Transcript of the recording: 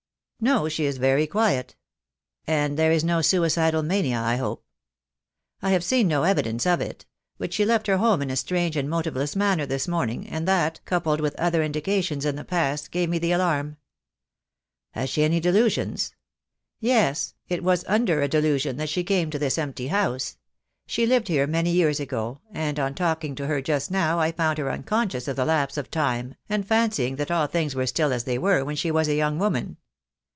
"No, she is very quiet." "And there is no suicidal mania, I hope?" "I have seen no evidence of it; but she left her home in a strange and motiveless manner this morning, and that, coupled with other indications in the past, gave me the alarm." "Has she any delusions?" "Yes, it was under a delusion that she came to this empty house. She lived here many years ago, and on THE DAY WILL COME. 259 talking to her just now I found her unconscious of the lapse of time, and fancying that all things were still as they were when she was a young woman."